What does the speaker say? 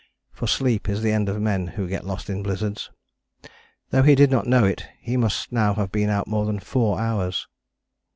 For sleep is the end of men who get lost in blizzards. Though he did not know it he must now have been out more than four hours.